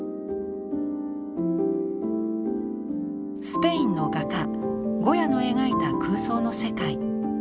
スペインの画家ゴヤの描いた空想の世界。